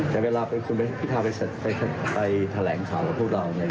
แต่เวลาเป็นคุณพิทาไปแถลงข่าวกับพวกเราเนี่ย